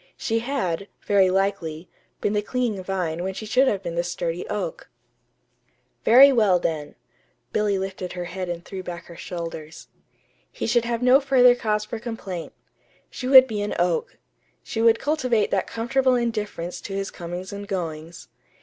She had, very likely, been the clinging vine when she should have been the sturdy oak. Very well, then. (Billy lifted her head and threw back her shoulders.) He should have no further cause for complaint. She would be an oak. She would cultivate that comfortable indifference to his comings and goings.